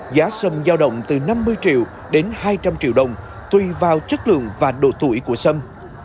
giá sâm giao động từ năm mươi triệu đến hai trăm linh triệu đồng tùy vào chất lượng và độ tuổi của sâm